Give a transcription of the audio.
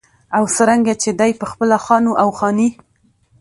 او څرنګه چې دى پخپله خان و او خاني